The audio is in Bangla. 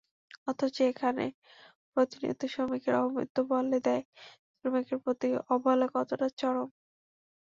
অথচ এখানে প্রতিনিয়ত শ্রমিকের অপমৃত্যু বলে দেয় শ্রমিকের প্রতি অবহেলা কতটা চরম।